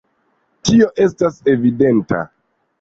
Tio estas evidenta.